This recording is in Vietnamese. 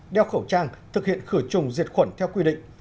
đeo khẩu trang thực hiện khử trùng diệt khuẩn theo quy định